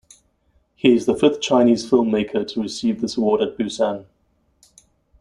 He is the fifth Chinese filmmaker to receive this award at Busan.